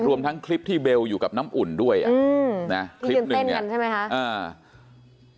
รวมทั้งคลิปที่เบลอยู่กับน้ำอุ่นด้วยอ่ะอืมนะคลิปหนึ่งใช่ไหมคะอ่า